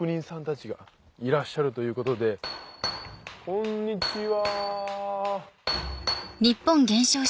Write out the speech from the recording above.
こんにちは。